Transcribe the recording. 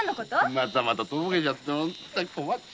またまたとぼけちゃって。